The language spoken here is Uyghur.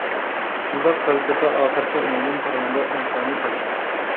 شۇنداق پەلسەپە ئاخىرقى ئۈنۈمدىن قارىغاندا ئىنسانى پەزىلەت.